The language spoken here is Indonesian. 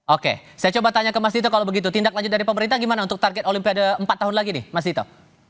oke saya coba tanya ke mas dito kalau begitu tindak lanjut dari pemerintah gimana untuk target olimpiade empat tahun lagi nih mas dito